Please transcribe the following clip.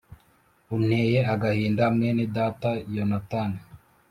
“Unteye agahinda mwene data Yonatani